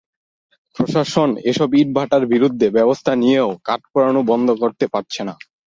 প্রশাসন এসব ইটভাটার বিরুদ্ধে ব্যবস্থা নিয়েও কাঠ পোড়ানো বন্ধ করতে পারছে না।